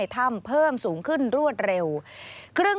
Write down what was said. สวัสดีค่ะสวัสดีค่ะ